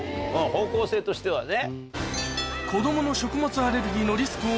方向性としてはね。